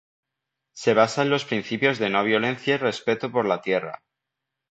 Se basa en los principios de No violencia y respeto por la Tierra.